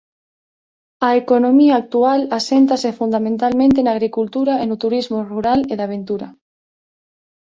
A economía actual aséntase fundamentalmente na agricultura e no turismo rural e de aventura.